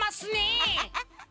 ハハハハ。